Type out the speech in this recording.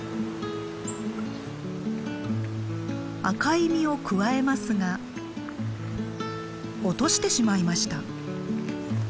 赤い実をくわえますが落としてしまいました。